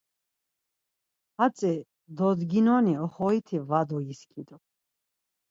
Hatzi dodginoni oxoriti var dogiskidu.